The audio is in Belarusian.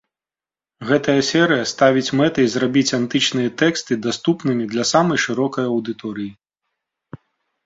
Гэта серыя ставіць мэтай зрабіць антычныя тэксты даступнымі для самай шырокай аўдыторыі.